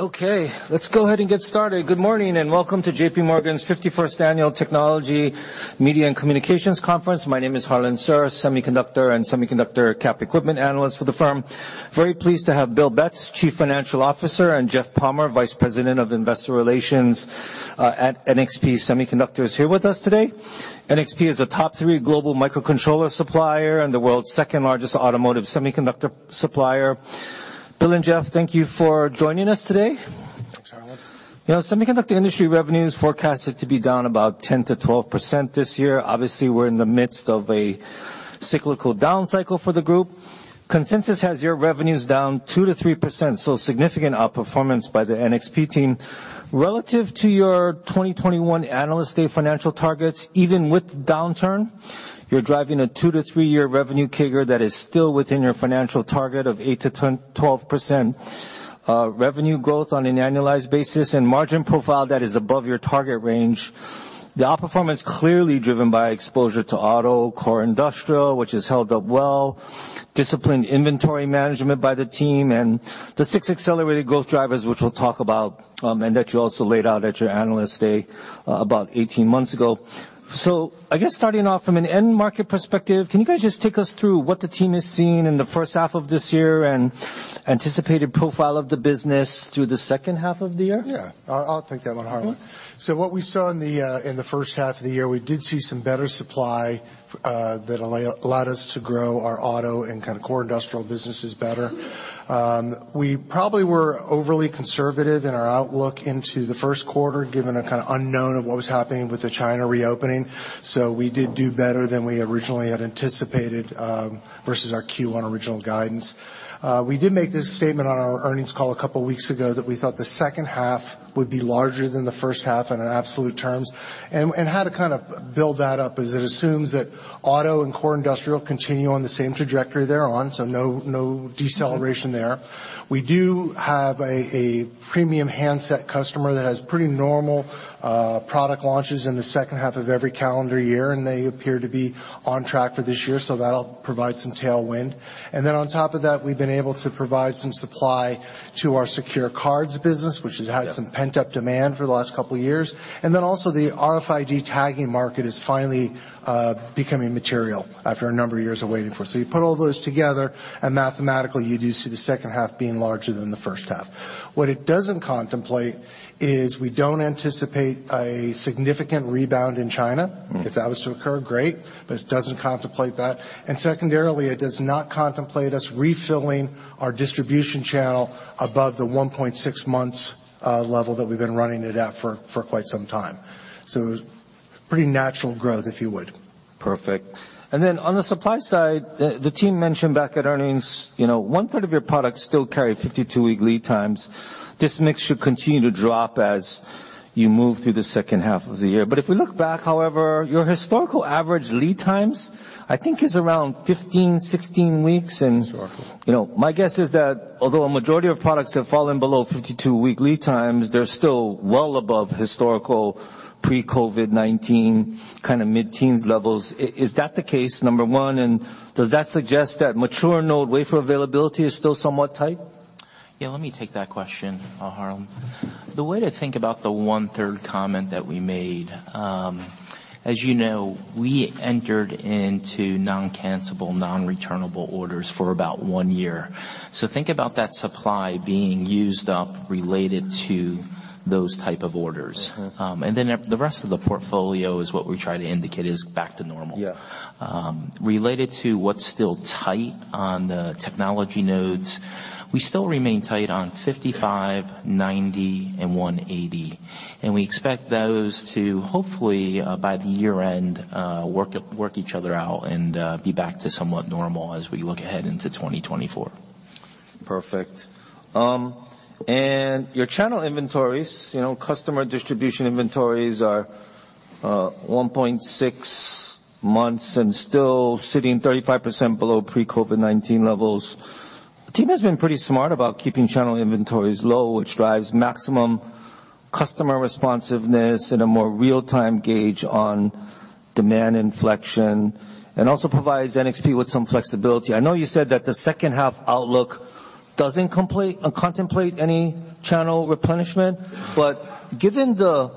Okay, let's go ahead and get started. Good morning. Welcome to JPMorgan's 51st Annual Technology Media and Communications conference. My name is Harlan Sur, Semiconductor and Semiconductor Cap Equipment analyst for the firm. Very pleased to have Bill Betz, Chief Financial Officer, and Jeff Palmer, Vice President of Investor Relations, at NXP Semiconductors here with us today. NXP is a top three global microcontroller supplier and the world's second-largest automotive semiconductor supplier. Bill and Jeff, thank you for joining us today. Thanks, Harlan. You know, semiconductor industry revenue is forecasted to be down about 10%-12% this year. We're in the midst of a cyclical down cycle for the group. Consensus has your revenues down 2%-3%, significant outperformance by the NXP team. Relative to your 2021 analyst day financial targets, even with downturn, you're driving a two to three-year revenue CAGR that is still within your financial target of 8%-12% revenue growth on an annualized basis and margin profile that is above your target range. The outperformance is clearly driven by exposure to auto, core industrial, which has held up well, disciplined inventory management by the team and the six accelerated growth drivers, which we'll talk about, and that you also laid out at your Analyst Day about 18 months ago. I guess starting off from an end market perspective, can you guys just take us through what the team has seen in the first half of this year and anticipated profile of the business through the second half of the year? Yeah. I'll take that one, Harlan. Mm-hmm. What we saw in the first half of the year, we did see some better supply that allowed us to grow our auto and kind of core industrial businesses better. We probably were overly conservative in our outlook into the first quarter, given a kind of unknown of what was happening with the China reopening. We did do better than we originally had anticipated versus our Q1 original guidance. We did make this statement on our earnings call a couple weeks ago that we thought the second half would be larger than the first half on an absolute terms. How to kind of build that up is it assumes that auto and core industrial continue on the same trajectory they're on, so no deceleration there. We do have a premium handset customer that has pretty normal product launches in the second half of every calendar year, and they appear to be on track for this year, so that'll provide some tailwind. On top of that, we've been able to provide some supply to our secure cards business, which has had some pent-up demand for the last couple years. Also the RFID tagging market is finally becoming material after a number of years of waiting for it. You put all those together, and mathematically you do see the second half being larger than the first half. What it doesn't contemplate is we don't anticipate a significant rebound in China. Mm-hmm. If that was to occur, great, but it doesn't contemplate that. Secondarily, it does not contemplate us refilling our distribution channel above the 1.6 months level that we've been running it at for quite some time. Pretty natural growth, if you would. Perfect. On the supply side, the team mentioned back at earnings, you know, one-third of your products still carry 52-week lead times. This mix should continue to drop as you move through the second half of the year. If we look back, however, your historical average lead times, I think is around 15, 16 weeks. Historical. You know, my guess is that although a majority of products have fallen below 52-week lead times, they're still well above historical pre-COVID-19 kind of mid-teens levels. Is that the case, number one, and does that suggest that mature node wafer availability is still somewhat tight? Yeah, let me take that question, Harlan. The way to think about the 1/3 comment that we made, as you know, we entered into non-cancellable, non-returnable orders for about one year. Think about that supply being used up related to those type of orders. Uh-huh. The rest of the portfolio is what we try to indicate is back to normal. Yeah. Related to what's still tight on the technology nodes, we still remain tight on 55, 90, and 180, and we expect those to hopefully by the year-end work each other out and be back to somewhat normal as we look ahead into 2024. Perfect. Your channel inventories, you know, customer distribution inventories are 1.6 months and still sitting 35% below pre-COVID-19 levels. The team has been pretty smart about keeping channel inventories low, which drives maximum customer responsiveness and a more real-time gauge on demand inflection, and also provides NXP with some flexibility. I know you said that the second half outlook doesn't contemplate any channel replenishment, but given the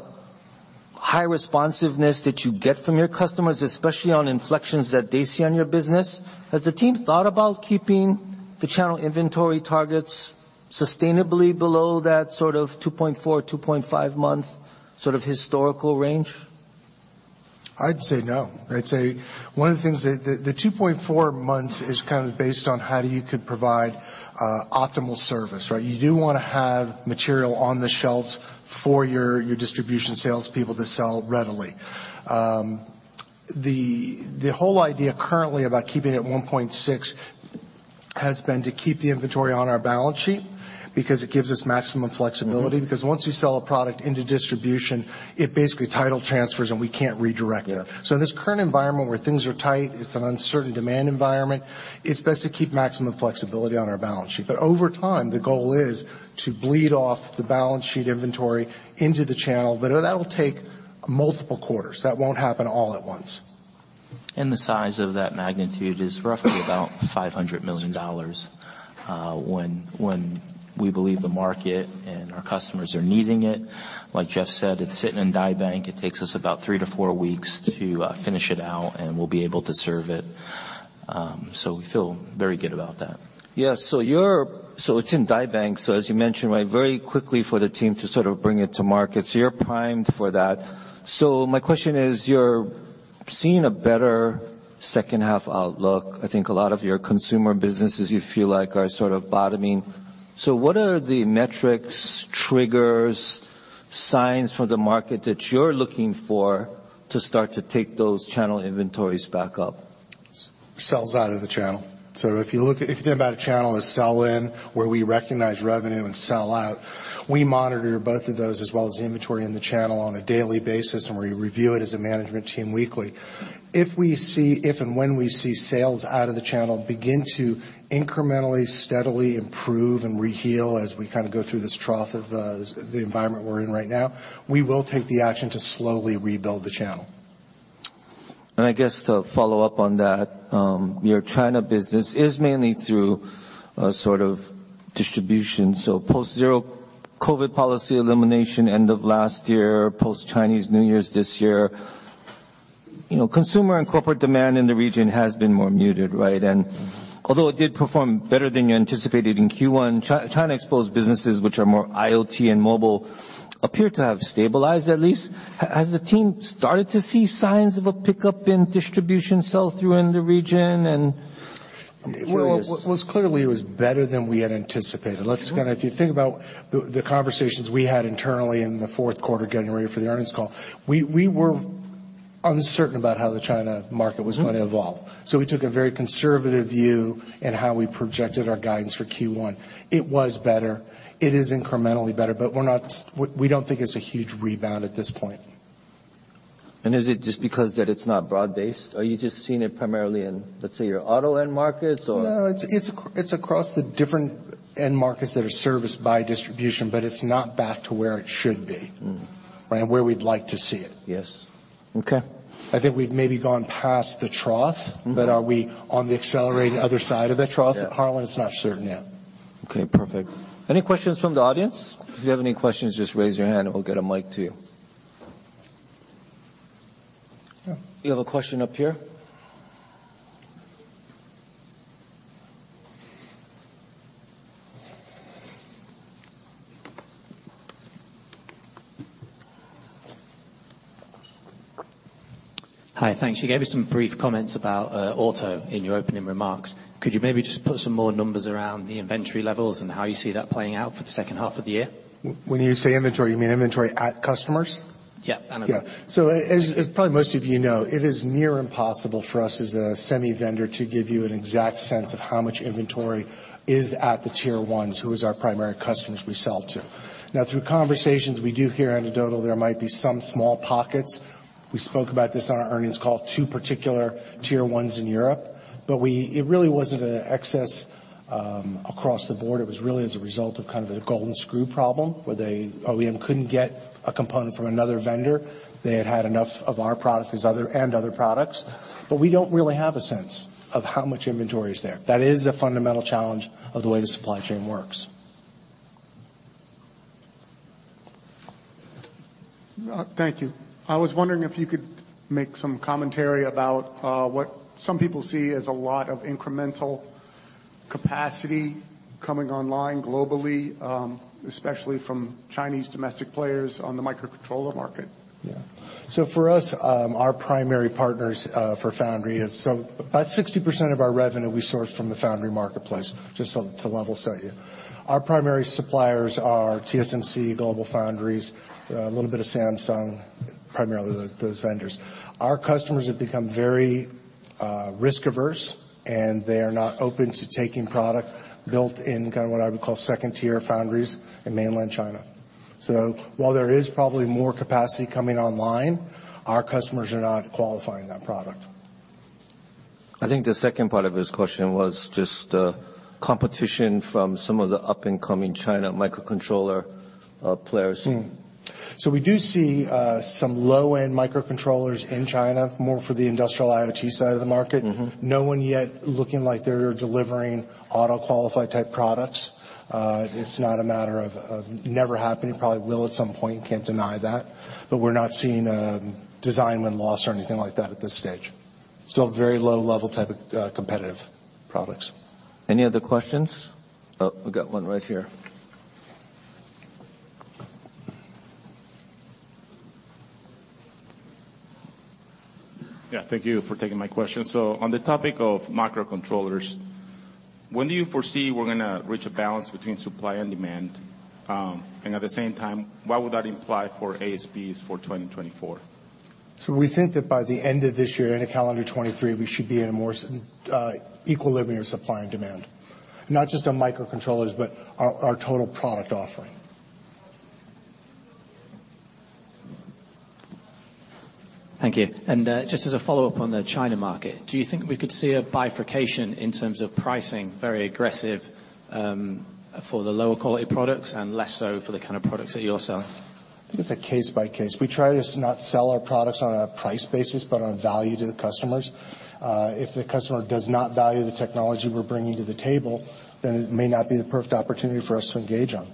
high responsiveness that you get from your customers, especially on inflections that they see on your business, has the team thought about keeping the channel inventory targets sustainably below that sort of 2.4, 2.5 month sort of historical range? I'd say no. I'd say one of the things that the 2.4 months is kind of based on how you could provide optimal service, right? You do wanna have material on the shelves for your distribution salespeople to sell readily. The whole idea currently about keeping it at 1.6 has been to keep the inventory on our balance sheet because it gives us maximum flexibility. Mm-hmm. Once you sell a product into distribution, it basically title transfers, and we can't redirect it. Yeah. In this current environment where things are tight, it's an uncertain demand environment, it's best to keep maximum flexibility on our balance sheet. Over time, the goal is to bleed off the balance sheet inventory into the channel, but that'll take multiple quarters. That won't happen all at once. The size of that magnitude is roughly about $500 million, when we believe the market and our customers are needing it. Like Jeff said, it's sitting in die bank. It takes us about three to four weeks to finish it out, and we'll be able to serve it. We feel very good about that. Yeah. So it's in die bank, so as you mentioned, right, very quickly for the team to sort of bring it to market, so you're primed for that. My question is, you're seeing a better second half outlook. I think a lot of your consumer businesses you feel like are sort of bottoming. What are the metrics, triggers, signs for the market that you're looking for to start to take those channel inventories back up? Sells out of the channel. If you think about a channel as sell in, where we recognize revenue and sell out, we monitor both of those as well as the inventory in the channel on a daily basis, and we review it as a management team weekly. If and when we see sales out of the channel begin to incrementally, steadily improve and re-heal as we kind of go through this trough of the environment we're in right now, we will take the action to slowly rebuild the channel. I guess to follow up on that, your China business is mainly through a sort of distribution. Post zero COVID policy elimination end of last year, post Chinese New Year this year, you know, consumer and corporate demand in the region has been more muted, right? Although it did perform better than you anticipated in Q1, China exposed businesses which are more IoT and mobile appear to have stabilized, at least. Has the team started to see signs of a pickup in distribution sell-through in the region? I'm curious. Well, it was better than we had anticipated. Mm-hmm. Let's kinda If you think about the conversations we had internally in the fourth quarter getting ready for the earnings call, we were uncertain about how the China market was. Mm-hmm. gonna evolve. We took a very conservative view in how we projected our guidance for Q1. It was better. It is incrementally better, but we're not. We don't think it's a huge rebound at this point. Is it just because that it's not broad-based? Are you just seeing it primarily in, let's say, your auto end markets or? No, it's across the different end markets that are serviced by distribution, but it's not back to where it should be. Mm. Right? Where we'd like to see it. Yes. Okay. I think we've maybe gone past the trough. Mm-hmm. Are we on the accelerating other side of the trough? Yeah. Harlan, it's not certain yet. Okay. Perfect. Any questions from the audience? If you have any questions, just raise your hand and we'll get a mic to you. Yeah. You have a question up here. Hi. Thanks. You gave us some brief comments about auto in your opening remarks. Could you maybe just put some more numbers around the inventory levels and how you see that playing out for the second half of the year? When you say inventory, you mean inventory at customers? Yeah. Yeah. As, as probably most of you know, it is near impossible for us as a semi vendor to give you an exact sense of how much inventory is at the tier ones, who is our primary customers we sell to. Through conversations, we do hear anecdotal, there might be some small pockets. We spoke about this on our earnings call, two particular tier ones in Europe. It really wasn't an excess across the board. It was really as a result of kind of a golden screw problem, where OEM couldn't get a component from another vendor. They had had enough of our product as other and other products. We don't really have a sense of how much inventory is there. That is a fundamental challenge of the way the supply chain works. Thank you. I was wondering if you could make some commentary about what some people see as a lot of incremental capacity coming online globally, especially from Chinese domestic players on the microcontroller market? Yeah. For us, our primary partners for foundry is... About 60% of our revenue we source from the foundry marketplace, just to level set you. Our primary suppliers are TSMC, GlobalFoundries, a little bit of Samsung, primarily those vendors. Our customers have become very risk-averse, and they are not open to taking product built in kind of what I would call second-tier foundries in mainland China. While there is probably more capacity coming online, our customers are not qualifying that product. I think the second part of his question was just, competition from some of the up-and-coming China microcontroller, players. We do see some low-end microcontrollers in China, more for the industrial IoT side of the market. Mm-hmm. No one yet looking like they're delivering auto qualified type products. It's not a matter of never happening. Probably will at some point, can't deny that, but we're not seeing a design win loss or anything like that at this stage. Still very low level type of, competitive products. Any other questions? I've got one right here. Yeah, thank you for taking my question. On the topic of microcontrollers, when do you foresee we're gonna reach a balance between supply and demand? At the same time, what would that imply for ASPs for 2024? We think that by the end of this year, end of calendar 2023, we should be in a more equilibrium of supply and demand. Not just on microcontrollers, but our total product offering. Thank you. Just as a follow-up on the China market, do you think we could see a bifurcation in terms of pricing very aggressive, for the lower quality products and less so for the kind of products that you're selling? It's a case by case. We try to not sell our products on a price basis, but on value to the customers. If the customer does not value the technology we're bringing to the table, then it may not be the perfect opportunity for us to engage on.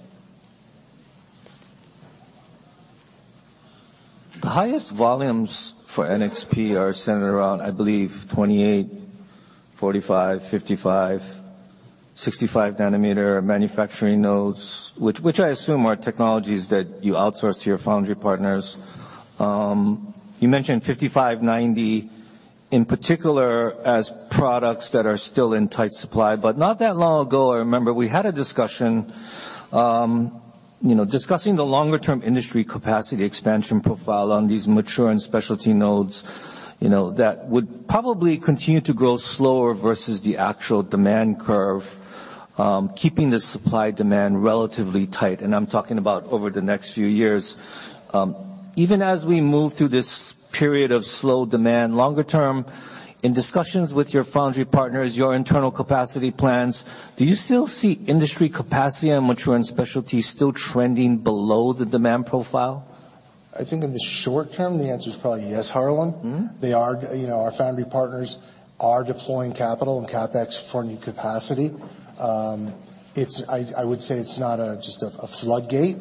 The highest volumes for NXP are centered around, I believe, 28, 45, 55, 65 nm manufacturing nodes, which I assume are technologies that you outsource to your foundry partners. You mentioned 55 90 in particular as products that are still in tight supply. Not that long ago, I remember we had a discussion, you know, discussing the longer-term industry capacity expansion profile on these mature and specialty nodes, you know, that would probably continue to grow slower versus the actual demand curve, keeping the supply-demand relatively tight. I'm talking about over the next few years. Even as we move through this period of slow demand, longer term, in discussions with your foundry partners, your internal capacity plans, do you still see industry capacity and mature and specialty still trending below the demand profile? I think in the short term, the answer is probably yes, Harlan. Mm-hmm. You know, our foundry partners are deploying capital and CapEx for new capacity. I would say it's not a, just a floodgate.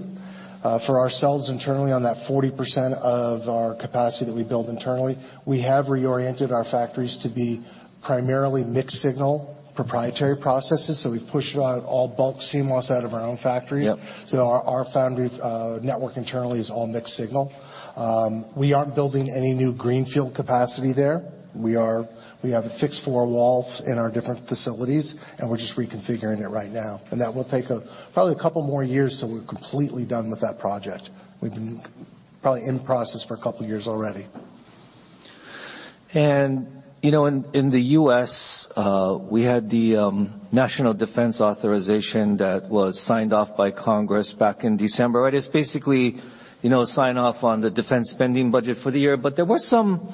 For ourselves internally on that 40% of our capacity that we build internally, we have reoriented our factories to be primarily mixed-signal proprietary processes. We've pushed a lot of all bulk CMOS out of our own factories. Yep. Our foundry network internally is all mixed signal. We aren't building any new greenfield capacity there. We have fixed four walls in our different facilities, and we're just reconfiguring it right now. That will take probably a couple more years till we're completely done with that project. We've been probably in process for a couple of years already. You know, in the U.S., we had the National Defense Authorization that was signed off by Congress back in December. It is basically, you know, sign off on the defense spending budget for the year. There was some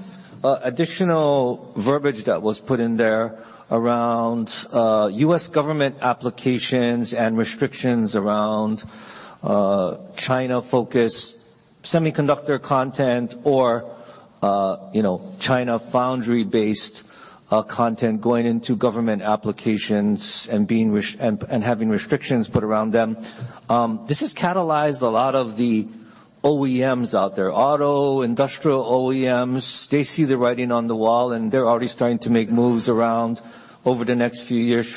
additional verbiage that was put in there around U.S. government applications and restrictions around China-focused semiconductor content or, you know, China foundry-based content going into government applications and having restrictions put around them. This has catalyzed a lot of the OEMs out there, auto, industrial OEMs. They see the writing on the wall, and they're already starting to make moves around over the next few years,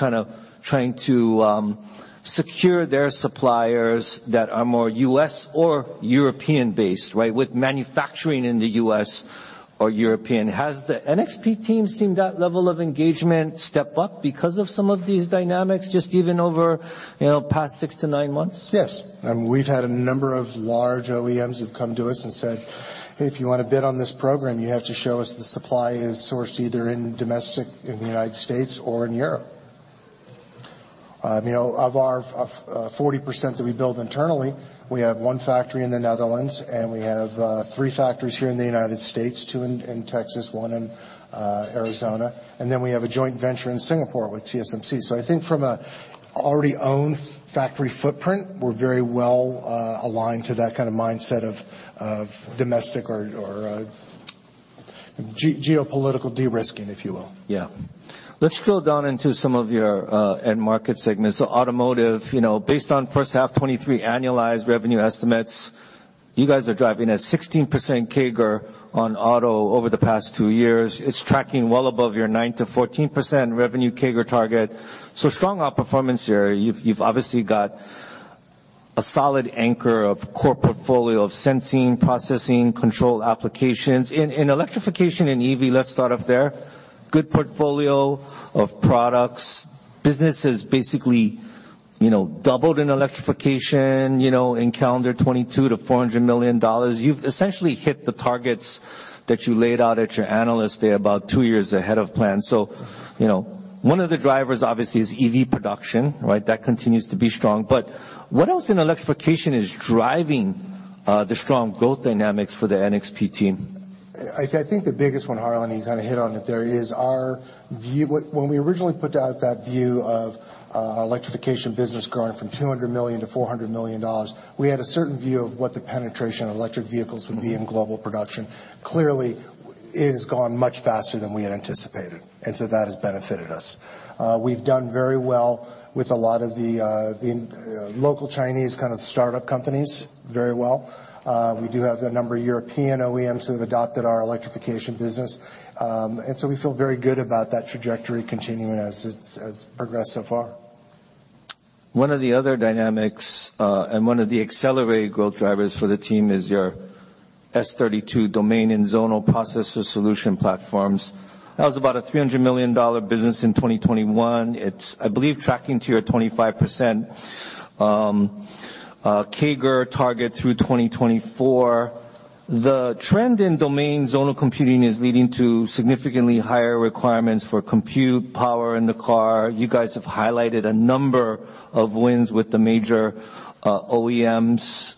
trying to secure their suppliers that are more U.S. or European-based, right, with manufacturing in the U.S. or European. Has the NXP team seen that level of engagement step up because of some of these dynamics, just even over, you know, past six to nine months? Yes. We've had a number of large OEMs who've come to us and said, "If you wanna bid on this program, you have to show us the supply is sourced either in domestic, in the United States or in Europe." You know, of our 40% that we build internally, we have one factory in the Netherlands, and we have three factories here in the United States, two in Texas, one in Arizona. We have a joint venture in Singapore with TSMC. I think from a already owned factory footprint, we're very well aligned to that kind of mindset of domestic or geopolitical de-risking, if you will. Yeah. Let's drill down into some of your end market segments. Automotive, you know, based on first half 2023 annualized revenue estimates, you guys are driving a 16% CAGR on auto over the past two years. It's tracking well above your 9%-14% revenue CAGR target. Strong outperformance here. You've obviously got a solid anchor of core portfolio of sensing, processing, control applications. In electrification and EV, let's start off there. Good portfolio of products. Business has basically, you know, doubled in electrification, you know, in calendar 2022 to $400 million. You've essentially hit the targets that you laid out at your analyst day about two years ahead of plan. You know, one of the drivers, obviously, is EV production, right? That continues to be strong. What else in electrification is driving the strong growth dynamics for the NXP team? I think the biggest one, Harlan, you kind of hit on it there, is our view. When we originally put out that view of our electrification business growing from $200 million to $400 million, we had a certain view of what the penetration of electric vehicles would be in global production. Clearly, it has gone much faster than we had anticipated, and so that has benefited us. We've done very well with a lot of the local Chinese kind of startup companies, very well. We do have a number of European OEMs who have adopted our electrification business. We feel very good about that trajectory continuing as it's progressed so far. One of the other dynamics, and one of the accelerated growth drivers for the team is your S32 domain and zonal processor solution platforms. That was about a $300 million business in 2021. It's, I believe, tracking to your 25% CAGR target through 2024. The trend in domain zonal computing is leading to significantly higher requirements for compute power in the car. You guys have highlighted a number of wins with the major OEMs.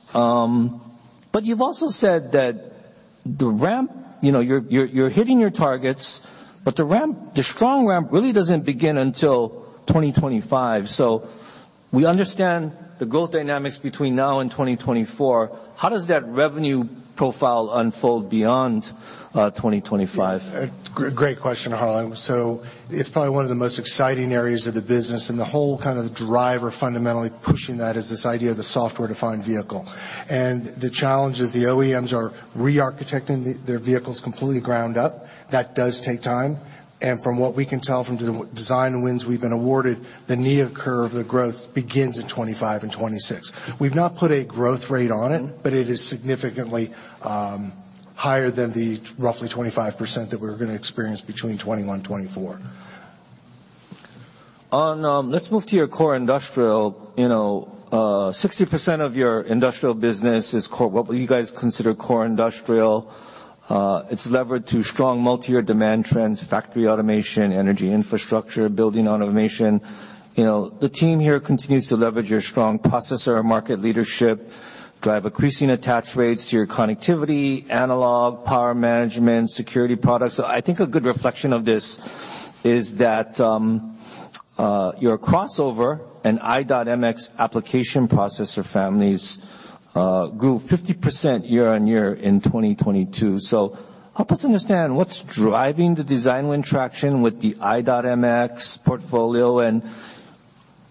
You've also said the ramp, you know, you're hitting your targets, but the ramp, the strong ramp really doesn't begin until 2025. We understand the growth dynamics between now and 2024. How does that revenue profile unfold beyond 2025? Yeah. Great question, Harlan. It's probably one of the most exciting areas of the business, and the whole kind of driver fundamentally pushing that is this idea of the software-defined vehicle. The challenge is the OEMs are re-architecting their vehicles completely ground up. That does take time. From what we can tell from the design wins we've been awarded, the knee of curve, the growth begins in 2025 and 2026. We've not put a growth rate on it, but it is significantly higher than the roughly 25% that we're gonna experience between 2021 and 2024. Let's move to your core industrial. You know, 60% of your industrial business is core, what you guys consider core industrial. It's levered to strong multi-year demand trends, factory automation, energy infrastructure, building automation. You know, the team here continues to leverage your strong processor and market leadership, drive increasing attach rates to your connectivity, analog, power management, security products. I think a good reflection of this is that your Crossover and i.MX application processor families grew 50% year-on-year in 2022. Help us understand what's driving the design win traction with the i.MX portfolio.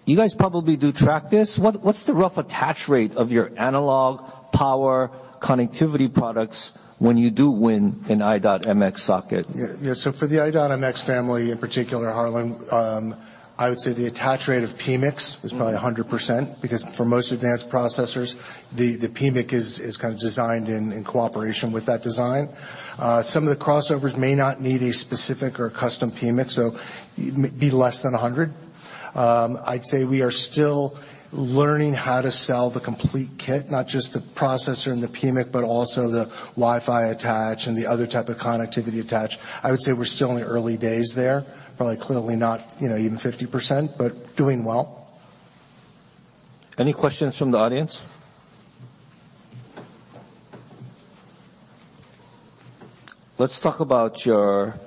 You guys probably do track this. What's the rough attach rate of your analog power connectivity products when you do win an i.MX socket? Yeah. Yeah. For the i.MX family in particular, Harlan, I would say the attach rate of PMICs is probably 100% because for most advanced processors, the PMIC is kind of designed in cooperation with that design. Some of the crossovers may not need a specific or custom PMIC, so it may be less than 100. I'd say we are still learning how to sell the complete kit, not just the processor and the PMIC, but also the Wi-Fi attach and the other type of connectivity attach. I would say we're still in the early days there. Probably clearly not, you know, even 50%, but doing well. Any questions from the audience? Let's talk about your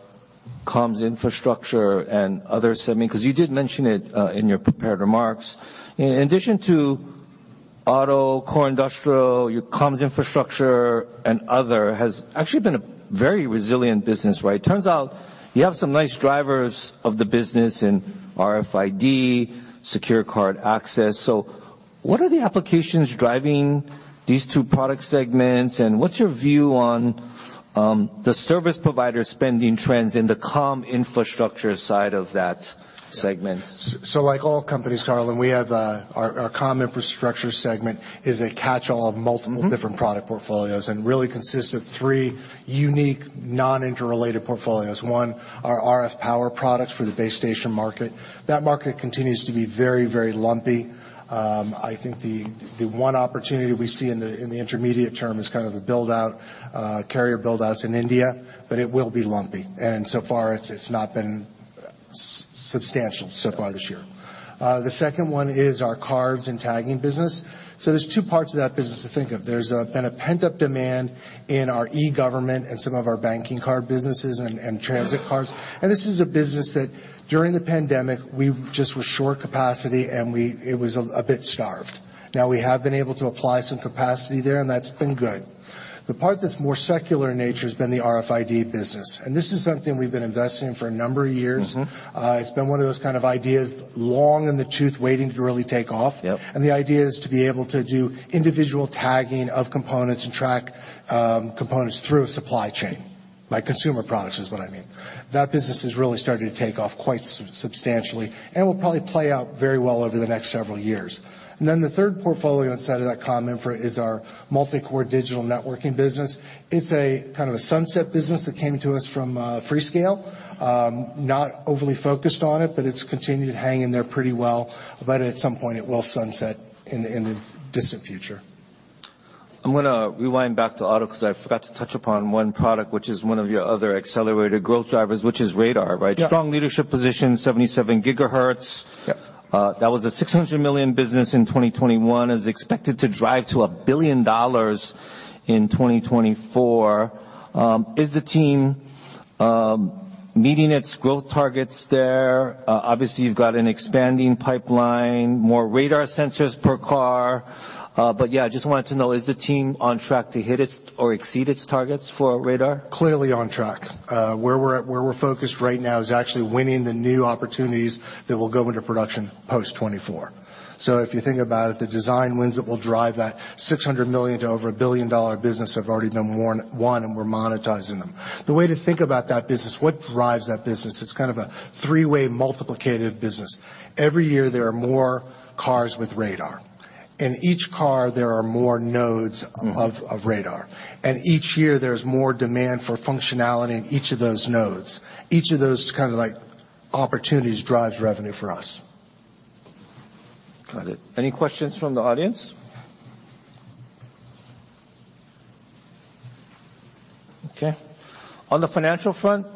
comms infrastructure and other semi, 'cause you did mention it in your prepared remarks. In addition to auto, core industrial, your comms infrastructure and other has actually been a very resilient business, right? It turns out you have some nice drivers of the business in RFID, secure card access. What are the applications driving these two product segments, and what's your view on the service provider spending trends in the comm infrastructure side of that segment? Like all companies, Harlan, we have, our comm infrastructure segment is a catchall of multiple- Mm-hmm. different product portfolios and really consists of three unique non-interrelated portfolios. One, our RF power products for the base station market. That market continues to be very, very lumpy. I think the one opportunity we see in the, in the intermediate term is kind of the build-out, carrier build-outs in India, but it will be lumpy. So far, it's not been substantial so far this year. The second one is our cards and tagging business. There's two parts of that business to think of. There's been a pent-up demand in our e-government and some of our banking card businesses and transit cards. This is a business that during the pandemic, we just were short capacity, and it was a bit starved. Now we have been able to apply some capacity there, and that's been good. The part that's more secular in nature has been the RFID business, and this is something we've been investing in for a number of years. Mm-hmm. It's been one of those kind of ideas long in the tooth waiting to really take off. Yep. The idea is to be able to do individual tagging of components and track components through a supply chain, like consumer products is what I mean. That business has really started to take off quite substantially and will probably play out very well over the next several years. The third portfolio inside of that comm infra is our multi-core digital networking business. It's a kind of a sunset business that came to us from Freescale. Not overly focused on it, but it's continued to hang in there pretty well. At some point it will sunset in the, in the distant future. I'm gonna rewind back to auto because I forgot to touch upon one product, which is one of your other accelerated growth drivers, which is radar, right? Yeah. Strong leadership position, 77 GHz. Yeah. That was a $600 million business in 2021. Is expected to drive to $1 billion in 2024. Is the team meeting its growth targets there? Obviously you've got an expanding pipeline, more radar sensors per car. Yeah, I just wanted to know, is the team on track to hit its or exceed its targets for radar? Clearly on track. Where we're at, where we're focused right now is actually winning the new opportunities that will go into production post 2024. If you think about it, the design wins that will drive that $600 million to over a $1 billion-dollar business have already been won, and we're monetizing them. The way to think about that business, what drives that business, it's kind of a three-way multiplicative business. Every year there are more cars with radar. In each car there are more nodes... Mm-hmm. of radar. Each year there's more demand for functionality in each of those nodes. Each of those kind of like opportunities drives revenue for us. Got it. Any questions from the audience? Okay. On the financial front,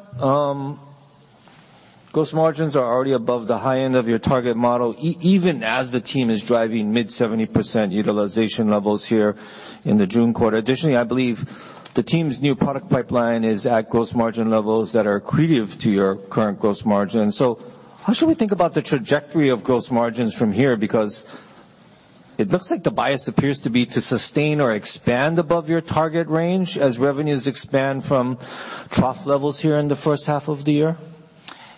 Gross margins are already above the high end of your target model even as the team is driving mid-70% utilization levels here in the June quarter. Additionally, I believe the team's new product pipeline is at gross margin levels that are accretive to your current gross margin. How should we think about the trajectory of gross margins from here? Because it looks like the bias appears to be to sustain or expand above your target range as revenues expand from trough levels here in the first half of the year.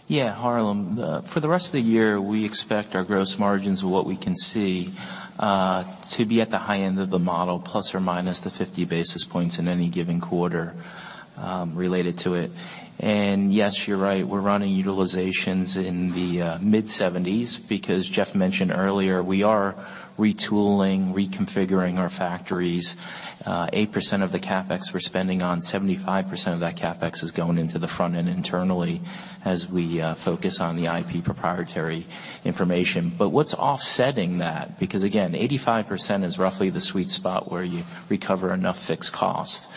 Yeah, Harlan, for the rest of the year, we expect our gross margins, what we can see, to be at the high end of the model, plus or minus the 50 basis points in any given quarter, related to it. Yes, you're right, we're running utilizations in the mid-seventies because Jeff mentioned earlier, we are retooling, reconfiguring our factories. 8% of the CapEx we're spending on, 75% of that CapEx is going into the front end internally as we focus on the IP proprietary information. What's offsetting that, because again, 85% is roughly the sweet spot where you recover enough fixed costs.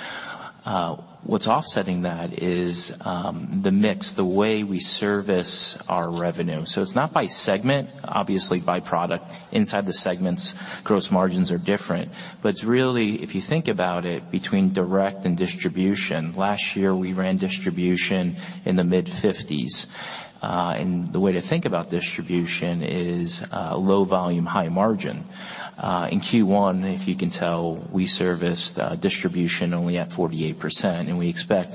What's offsetting that is the mix, the way we service our revenue. It's not by segment, obviously by product. Inside the segments, gross margins are different. It's really, if you think about it, between direct and distribution. Last year, we ran distribution in the mid-50s. The way to think about distribution is low volume, high margin. In Q1, if you can tell, we serviced distribution only at 48%, and we expect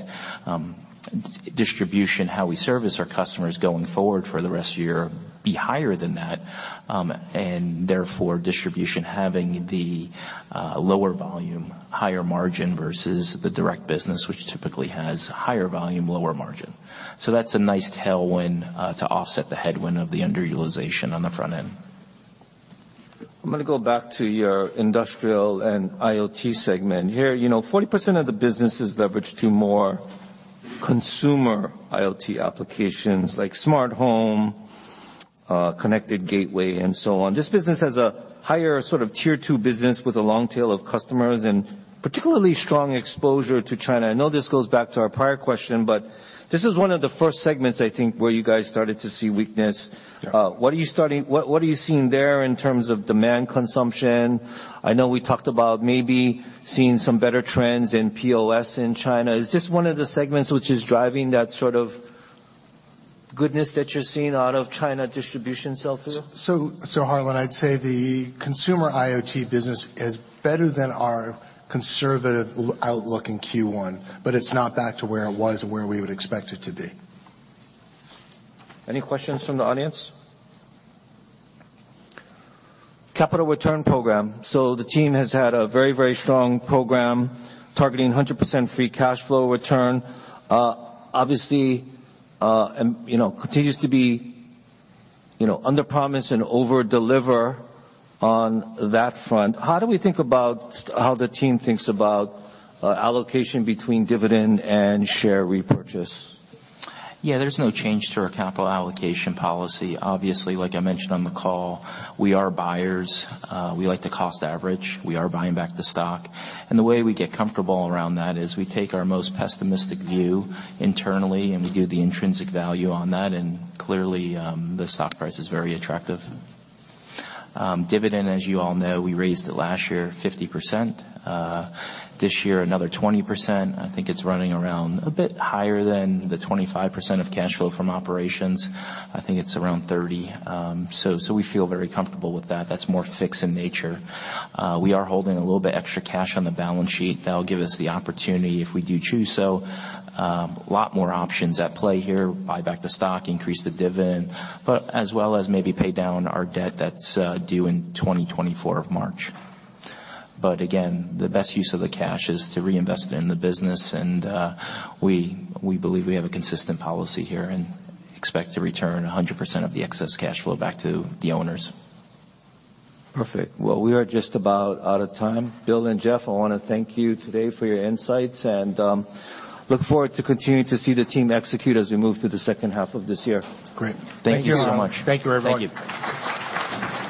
distribution, how we service our customers going forward for the rest of the year, be higher than that. Therefore, distribution having the lower volume, higher margin versus the direct business, which typically has higher volume, lower margin. That's a nice tailwind to offset the headwind of the underutilization on the front end. I'm gonna go back to your industrial and IoT segment. Here, you know, 40% of the business is leveraged to more consumer IoT applications like smart home, connected gateway, and so on. This business has a higher sort of tier 2 business with a long tail of customers and particularly strong exposure to China. I know this goes back to our prior question, but this is one of the first segments, I think, where you guys started to see weakness. Yeah. What are you seeing there in terms of demand consumption? I know we talked about maybe seeing some better trends in POS in China. Is this one of the segments which is driving that sort of goodness that you're seeing out of China distribution sell-through? Harlan, I'd say the consumer IoT business is better than our conservative outlook in Q1, but it's not back to where it was or where we would expect it to be. Any questions from the audience? Capital return program. The team has had a very, very strong program targeting 100% free cash flow return. Obviously, you know, continues to be, you know, underpromise and overdeliver on that front. How do we think about how the team thinks about allocation between dividend and share repurchase? Yeah, there's no change to our capital allocation policy. Obviously, like I mentioned on the call, we are buyers. We like to cost average. We are buying back the stock. The way we get comfortable around that is we take our most pessimistic view internally, and we do the intrinsic value on that, and clearly, the stock price is very attractive. Dividend, as you all know, we raised it last year 50%. This year, another 20%. I think it's running around a bit higher than the 25% of cash flow from operations. I think it's around 30%. We feel very comfortable with that. That's more fixed in nature. We are holding a little bit extra cash on the balance sheet. That'll give us the opportunity if we do choose so. A lot more options at play here. Buy back the stock, increase the dividend, but as well as maybe pay down our debt that's due in March 2024. Again, the best use of the cash is to reinvest it in the business, and we believe we have a consistent policy here and expect to return 100% of the excess cash flow back to the owners. Perfect. Well, we are just about out of time. Bill and Jeff, I wanna thank you today for your insights and look forward to continuing to see the team execute as we move through the second half of this year. Great. Thank you so much. Thank you, Harlan Sur. Thank you, everybody. Thank you.